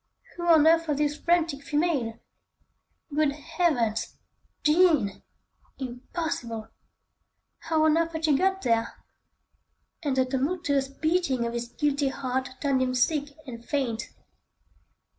Who on earth was this frantic female? Good Heavens! Jean! Impossible! How on earth had she got there? And the tumultuous beating of his guilty heart turned him sick and faint.